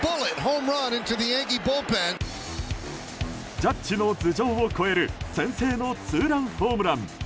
ジャッジの頭上を越える先制のツーランホームラン。